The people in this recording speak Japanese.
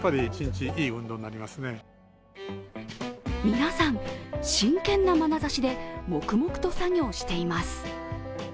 皆さん真剣なまなざしで黙々と作業しています。